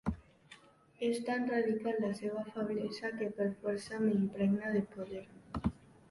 És tan radical la seva feblesa que per força m'impregna de poder.